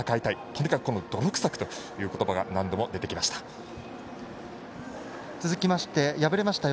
とにかく泥臭くという言葉が何度も出てきました。